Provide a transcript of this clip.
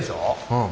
うん。